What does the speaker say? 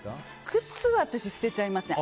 靴は、私は捨てちゃいますね。